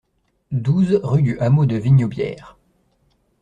douze rue du Hameau de Vignaubière